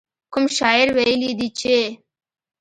کوم شاعر ويلي دي چې.